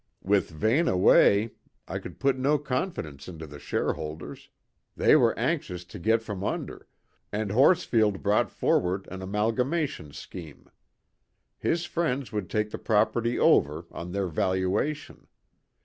With Vane away, I could put no confidence into the shareholders they were anxious to get from under and Horsfield brought forward an amalgamation scheme: his friends would take the property over, on their valuation.